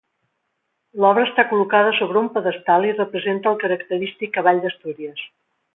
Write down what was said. L'obra està col·locada sobre un pedestal i representa el característic cavall d'Astúries.